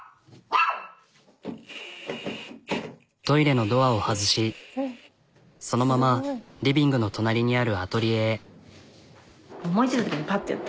トイレのドアを外しそのままリビングの隣にあるアトリエへ。